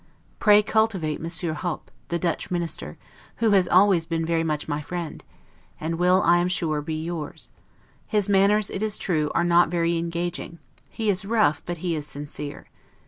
Pray cultivate Monsieur Hop, the Dutch minister, who has always been very much my friend, and will, I am sure, be yours; his manners, it is true, are not very engaging; he is rough, but he is sincere.